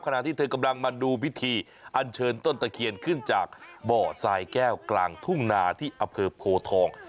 ขณะที่เธอกำลังมาดูพิธีอันเชิญต้นตะเคียนขึ้นจากบ่อทรายแก้วกลางทุ่งนาที่อำเภอโพทอง